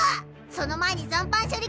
その前に残飯処理